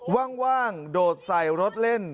ว่างโดดใส่รถเล่น